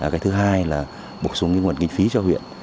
cái thứ hai là bổ sung nguồn kinh phí cho huyện